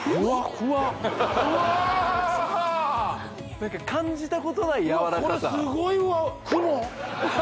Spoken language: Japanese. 何か感じたことないやわらかさこれすごいわ！